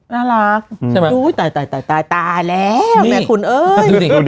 น่ารักตายตายแล้วแม่คุณเอ้ย